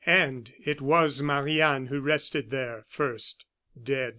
And it was Marie Anne who rested there first dead.